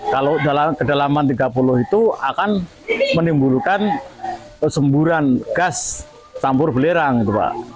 kalau kedalaman tiga puluh itu akan menimbulkan semburan gas sambur belerang